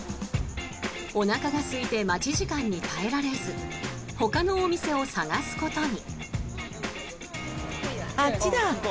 おなかがすいて待ち時間に耐えられずほかのお店を探すことに。